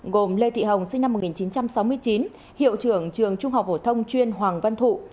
gồm lê thị hồng sinh năm một nghìn chín trăm sáu mươi chín hiệu trưởng trường trung học phổ thông chuyên hoàng văn thụ